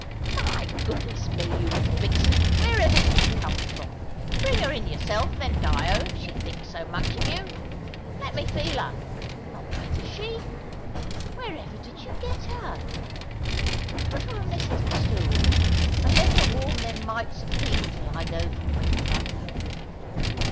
"My goodness me! you little vixen! wherever did you come from? Bring her in yourself, then, Dyo, if she thinks so much of you. Let me feel her. Not wet she is. Where ever did you get her? Put her on this little stool, and let her warm them mites of feet till I go for bread and butter."